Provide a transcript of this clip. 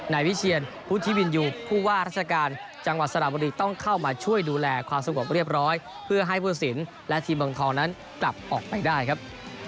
นายวิเชียนพุทธิวินยูผู้ว่าราชการจังหวัดสระบุรีต้องเข้ามาช่วยดูแลความสงบเรียบร้อยเพื่อให้ผู้สินและทีมเมืองทองนั้นกลับออกไปได้ครับ